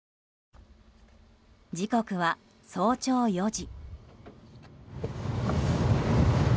時刻は早朝４時。